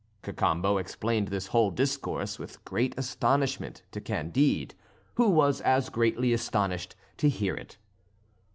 Cacambo explained this whole discourse with great astonishment to Candide, who was as greatly astonished to hear it.